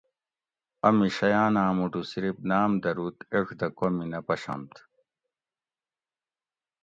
امی شیاناں مُوٹو صرف ناۤم دروت ایڄ دہ کومی نہ پشنت